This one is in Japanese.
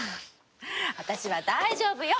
私は大丈夫よ。